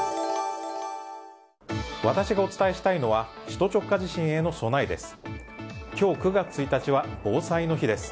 私がお伝えしたいのは首都直下地震への備えです。